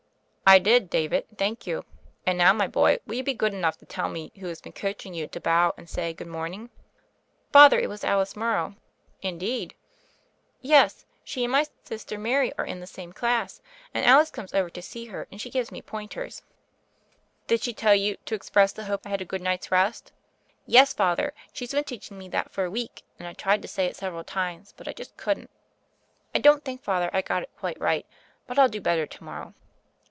"I did, David, thank you. And now, my boy, will you be good enough to tell me who has been coaching you to bow and say *Good morning' ?" "Father, it was Alice Morrow." "Indeed !" "Yes; she and my sister Mary are in the same class, and Alice comes over to see her, and she gives me pointers." rHE FAIRY OF THE SNOWS 119 "Did she tell you to express the hope I had a good night's rest?" "Yes, Father; she's been teaching me that for a week; and I tried to say it several times, but I just couldn't. I don't think, Father, I got it quite right, but I'll do better to morrow."